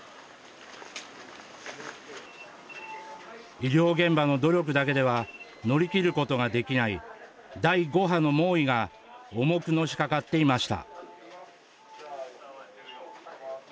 医療現場の努力だけでは乗り切ることができない第５波の猛威が重くのしかかっていました。